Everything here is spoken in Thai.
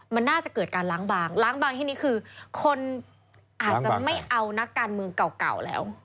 มันน่าจะเกิดการล้างบางล้างบางที่นี้คือคนอาจจะไม่เอานักการเมืองเก่าแล้ว